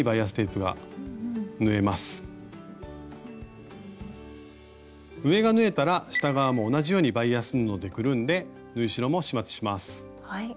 上が縫えたら下側も同じようにバイアス布でくるんで縫い代も始末します。